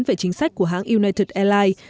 về chính sách của hãng united airlines